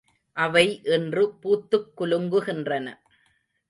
அவை இன்று பூத்துக் குலுங்குகின்றன.